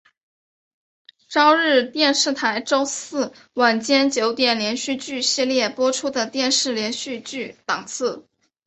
朝日电视台周四晚间九点连续剧系列播出的电视连续剧档次。